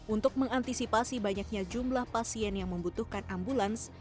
untuk mengantisipasi banyaknya jumlah pasien yang membutuhkan ambulans